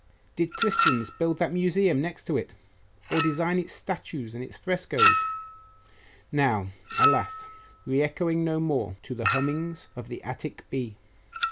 Did Christians build that Museum next to it, or design its statues and its frescoes now, alas! re echoing no more to the hummings of the Attic bee?